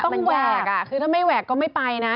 มันต้องแหวกอ่ะคือถ้าไม่แหวกก็ไม่ไปนะ